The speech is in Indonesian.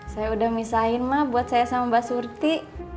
saya udah misahin mah buat saya sama mbak surti